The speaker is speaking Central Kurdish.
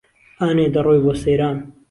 ئانێ دهڕۆی بۆ سهیران